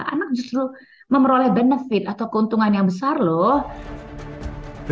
anak justru memperoleh benefit atau keuntungan yang besar loh